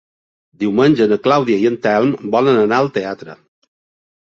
Diumenge na Clàudia i en Telm volen anar al teatre.